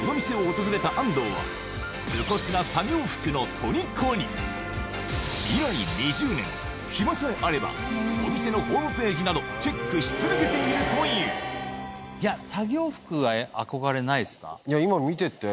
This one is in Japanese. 萬年屋以来２０年暇さえあればお店のホームページなどチェックし続けているという今見てて。